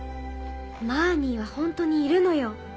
マーニーは本当にいるのよ。